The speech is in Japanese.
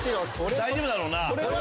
大丈夫だろうな？